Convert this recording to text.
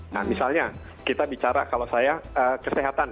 nah misalnya kita bicara kalau saya kesehatan